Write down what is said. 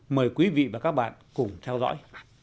mời quý vị và các bạn cùng theo dõi